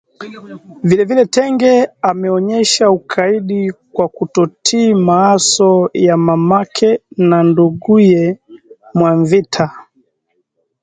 Vilevile, Tenge ameonyesha ukaidi kwa kutotii maaso ya mamake na nduguye Mwavita